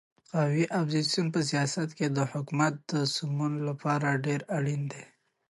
قوي اپوزیسیون په سیاست کې د حکومت د سمون لپاره ډېر اړین دی.